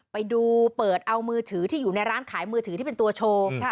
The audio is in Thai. ไปดูเปิดเอามือถือที่อยู่ในร้านขายมือถือที่เป็นตัวโชว์